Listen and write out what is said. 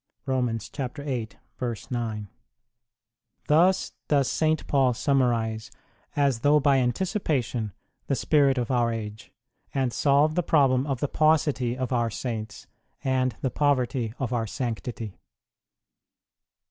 4 Thus does St. Paul summarize, as though by anticipation, the spirit of our age, and solve the problem of the paucity of our saints and the poverty of our sanctity.